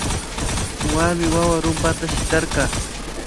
Warmi wawa rumpata shitarka